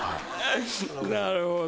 なるほど。